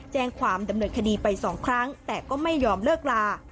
แจ้งความดำเนินคดีไปสองครั้งแต่ก็ไม่ยอมเลิกลา